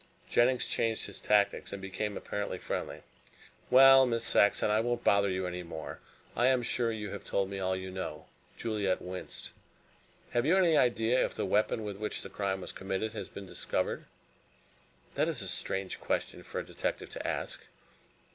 Jennings changed his tactics, and became apparently friendly. "Well, Miss Saxon, I won't bother you any more. I am sure you have told me all you know." Juliet winced. "Have you any idea if the weapon with which the crime was committed has been discovered?" "That is a strange question for a detective to ask."